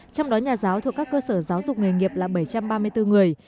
trong đó nhà giáo thuộc các cơ sở giáo dục nghề nghiệp là bảy trăm ba mươi bốn người